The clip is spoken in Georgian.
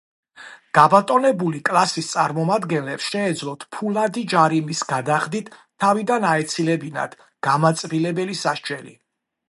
გაბატონებული კლასის წარმომადგენლებს შეეძლოთ ფულადი ჯარიმის გადახდით თავიდან აეცილებინათ გამაწბილებელი სასჯელი.